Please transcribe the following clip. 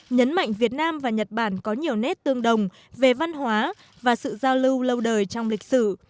nhấn mạnh việt nam và nhật bản có nhiều nét tương đồng về văn hóa và sự giao lưu lâu đời trong lịch sử